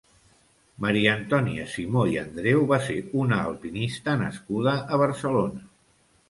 Maria Antònia Simó i Andreu va ser una alpinista nascuda a Barcelona.